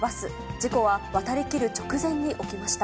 事故は渡りきる直前に起きました。